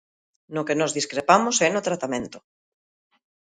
No que nós discrepamos é no tratamento.